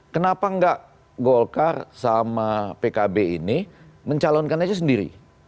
kenapa enggak golkar sama pkb ini mencalonkannya sendiri